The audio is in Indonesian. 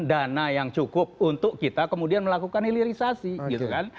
dana yang cukup untuk kita kemudian melakukan hilirisasi gitu kan